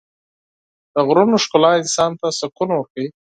د غرونو ښکلا انسان ته سکون ورکوي.